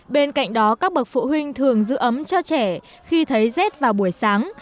bên cạnh đó các bậc phụ huynh thường giữ ấm cho trẻ khi thấy rét vào buổi sáng